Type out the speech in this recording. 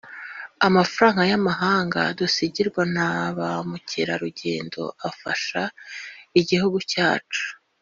amafaranga y’amahanga dusigirwa na ba mukerarugendo afasha igihugu cyacu